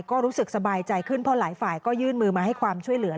ก็รู้สึกสบายใจขึ้นเพราะหลายฝ่ายก็ยื่นมือมาให้ความช่วยเหลือ